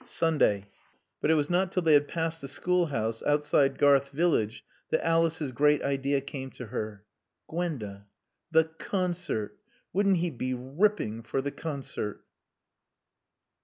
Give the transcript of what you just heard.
Sunday." But it was not till they had passed the schoolhouse outside Garth village that Alice's great idea came to her. "Gwenda! The Concert! Wouldn't he be ripping for the Concert!"